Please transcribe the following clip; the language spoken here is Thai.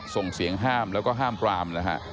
ส่งเสียงห้ามแล้วก็ห้ามปรามนะฮะ